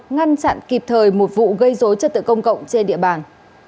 ngăn chặn kịp thời một vụ gây dối trật tự công cộng trên địa bàn